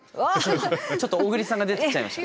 ちょっと小栗さんが出てきちゃいました。